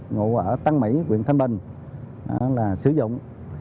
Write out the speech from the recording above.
ngộ ở tân mỹ quyền thanh bình sử dụng